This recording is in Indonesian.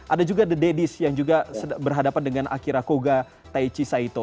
ada juga the daddies yang juga berhadapan dengan akira koga taichi saito